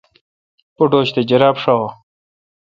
پوٹوش تہ جراب شاوہ۔